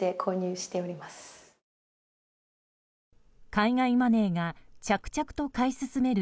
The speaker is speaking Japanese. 海外マネーが着々と買い進める